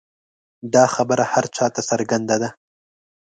دا خبره هر چا ته څرګنده ده.